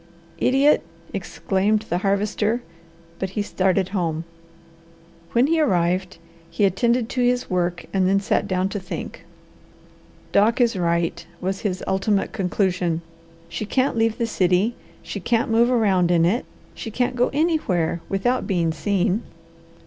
"Idiot!" exclaimed the Harvester, but he started home. When he arrived he attended to his work and then sat down to think. "Doc is right," was his ultimate conclusion. "She can't leave the city, she can't move around in it, she can't go anywhere, without being seen.